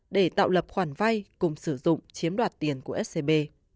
để tạo lập khoản vay cùng sử dụng chiếm đoạt tiền của scb